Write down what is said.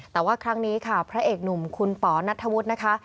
แต่ว่าครั้งนี้ค่ะพระเอกหนุ่มคุณป๋อนัทธวุฒินะคะ